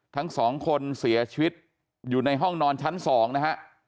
ทั้งสองคนเสียชีวิตอยู่ในห้องนอนชั้น๒นะฮะ